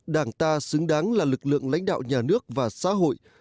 đảng ta xứng đáng là lực lượng lãnh đạo nhà nước và xã hội